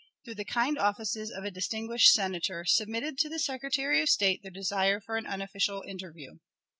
through the kind offices of a distinguished Senator, submitted to the Secretary of State their desire for an unofficial interview.